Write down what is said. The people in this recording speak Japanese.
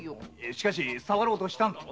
しかし触ろうとしたんだろ？